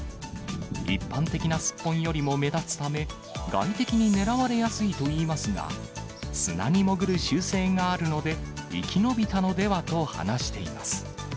一般的なスッポンよりも目立つため、外敵に狙われやすいといいますが、砂に潜る習性があるので生き延びたのではと話しています。